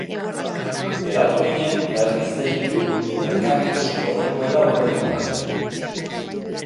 Geratu ginen berriz deitu eta elkar ikusiko genuela hurrengoan.